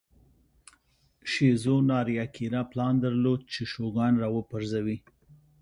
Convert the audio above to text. شیزو ناریاکیرا پلان درلود چې شوګان را وپرځوي.